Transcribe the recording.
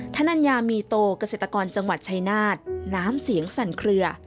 ธนัญญามีโตเกษตรกรจังหวัดชายนาฏน้ำเสียงสั่นเคลือ